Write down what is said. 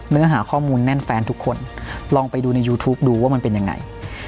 เนื้อหาข้อมูลแน่นแฟนทุกคนลองไปดูในยูทูปดูว่ามันเป็นยังไง